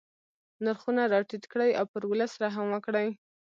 نرخونه را ټیټ کړي او پر ولس رحم وکړي.